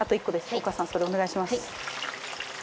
お母さんそれお願いします。